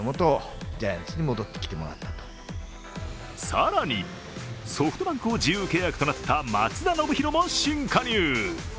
更に、ソフトバンクを自由契約となった松田宣浩も新加入。